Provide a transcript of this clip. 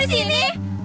kok lo disini